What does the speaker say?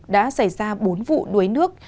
đã xảy ra bốn vụ đuối nước